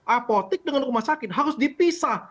apotik dengan rumah sakit harus dipisah